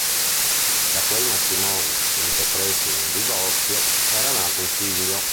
Da quel matrimonio, finito presto in un divorzio, era nato un figlio.